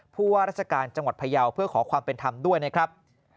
ผู้ว่าราชการจังหวัดพยาวเพื่อขอความเป็นธรรมด้วยนะครับ